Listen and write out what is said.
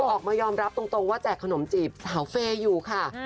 ออกมายอมรับตรงว่าแจกขนมจีบสาวเฟย์อยู่ค่ะ